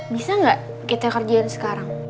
bisa nggak kita kerjain sekarang